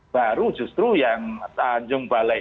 baru justru yang tanjung balai